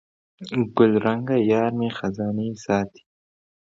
ګلرنګه یارمي خزانې ساتي